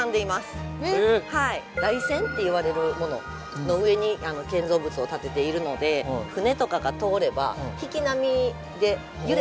台船って言われるものの上に建造物を建てているので船とかが通れば引き波で揺れたりします。